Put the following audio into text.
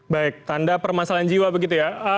baik tanda permasalahan jiwa begitu ya